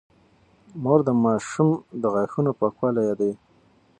مور د ماشوم د غاښونو پاکوالی يادوي.